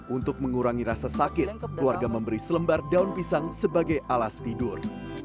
untuk mengurangi rasa sakit keluarga memberi selembar daun pisang sebagai alas tidur